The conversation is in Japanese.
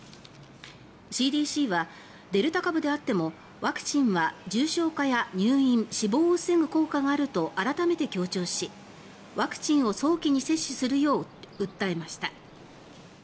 ＣＤＣはデルタ株であってもワクチンは重症化や入院、死亡を防ぐ効果があると改めて強調しワクチンを早期に接種するよう訴えました。